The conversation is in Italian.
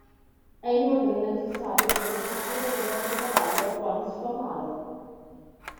È inoltre necessario prendersi cura del vostro cavallo quando si fa male.